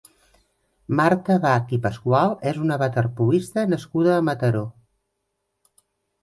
Marta Bach i Pascual és una waterpolista nascuda a Mataró.